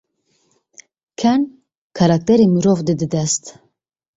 Ken, karakterê mirov dide dest.